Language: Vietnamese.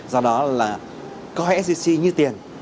do đó là coi sgc như tiền